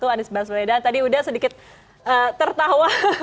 anies baswedan tadi udah sedikit tertawa